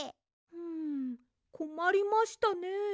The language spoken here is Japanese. んこまりましたね。